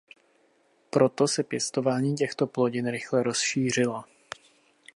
Proto se pěstování těchto plodin rychle rozšířilo.